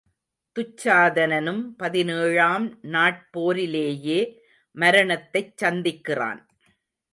துச்சாதனனும் பதினேழாம் நாட் போரிலேயே மரணத்தைச் சந்திக்கிறான்.